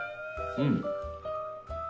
うん。